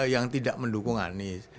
yang tidak mendukung anies